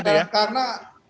ini adalah karena